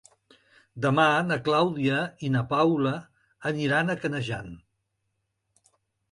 Demà na Clàudia i na Paula aniran a Canejan.